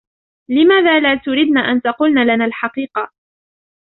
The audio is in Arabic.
لماذا لا تردن أن تقلن لنا الحقيقة ؟